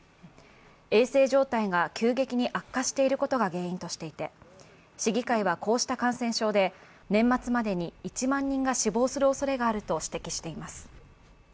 衛生状態が急激に悪化していることが原因としていて、市議会はこうした感染症で年末までに１万人が死亡するおそれがあると指摘しています。